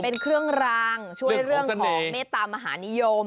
เป็นเครื่องรางช่วยเรื่องของเมตตามหานิยม